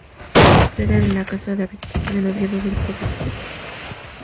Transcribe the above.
Y la tercera era la casa de habitación en Oviedo del propio Trelles.